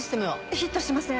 ヒットしません。